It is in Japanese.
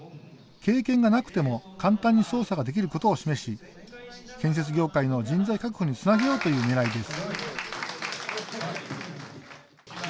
経験がなくても簡単に操作ができることを示し建設業界の人材確保につなげようという狙いです。